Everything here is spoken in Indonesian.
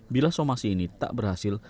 bila somasi ini tak berhasil